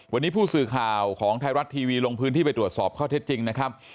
วันนี้ผู้สื่อข่าวของไทยรัฐทีวีลงพื้นที่ไปตรวจสอบข้อเท็จจริงนะครับ